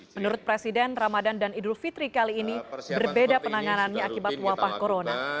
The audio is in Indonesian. menurut presiden ramadan dan idul fitri kali ini berbeda penanganannya akibat wabah corona